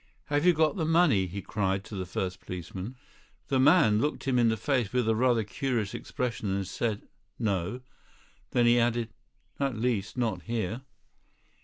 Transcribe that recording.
"Have you got the money!" he cried to the first policeman. The man looked him in the face with a rather curious expression and said: "No." Then he added: "At least, not here."